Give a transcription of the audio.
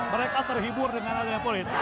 mereka terhibur dengan adanya politik